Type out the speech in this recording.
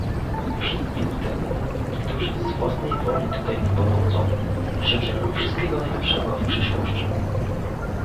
Wszystkim tym, którzy z własnej woli tutaj nie powrócą, życzę wszystkiego najlepszego w przyszłości